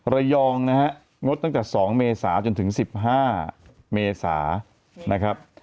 ระยองนะฮะงดตั้งแต่๒เมษาจนถึง๑๕เมษานะครับ